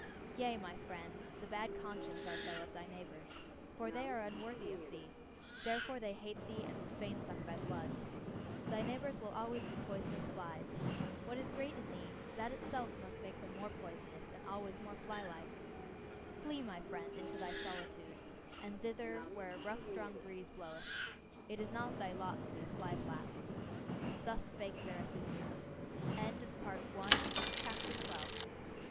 Yea, my friend, the bad conscience art thou of thy neighbours; for they are unworthy of thee. Therefore they hate thee, and would fain suck thy blood. Thy neighbours will always be poisonous flies; what is great in thee that itself must make them more poisonous, and always more fly like. Flee, my friend, into thy solitude and thither, where a rough strong breeze bloweth. It is not thy lot to be a fly flap. Thus spake Zarathustra. XIII. CHASTITY. I love the forest.